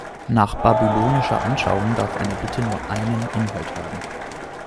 Nach babylonischer Anschauung darf eine Bitte nur "einen" Inhalt haben.